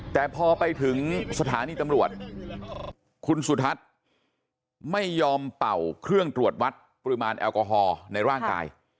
แต่พอไปถึงสถานีตำรวจคุณสุทัศน์ไม่ยอมเป่าเครื่องตรวจวัดปริมาณแอลกอฮอล์ในร่างกาย